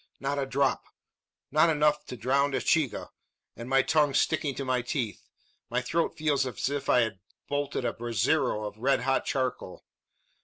"Not a drop not enough to drown a chiga! And my tongue sticking to my teeth. My throat feels as if I had bolted a brazero of red hot charcoal.